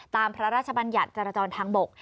พระราชบัญญัติจรจรทางบก